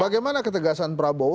bagaimana ketegasan prabowo